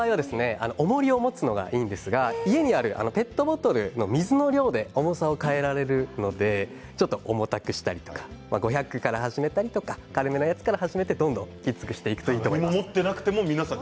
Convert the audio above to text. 重りを持つのがいいんですが家にあるペットボトルの水の量で重さを変えられるのでちょっと重たくしたり５００から始めたりとか軽めのやつから始めてきつくしていくといいと思います。